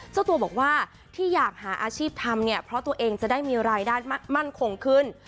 เจ้าตัวบอกว่าที่อยากหาอาชีพทำเนี่ยเพราะตัวเองจะได้มีรายได้มั่นคงขึ้น